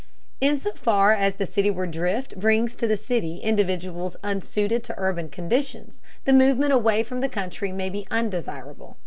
In so far as the cityward drift brings to the city individuals unsuited to urban conditions, the movement away from the country may be undesirable.